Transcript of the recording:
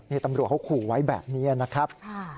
นี่ตำรวจเขาขู่ไว้แบบนี้นะครับ